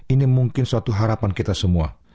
ini mungkin suatu harapan kita semua